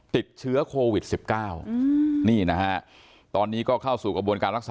ติดเชื้อโควิด๑๙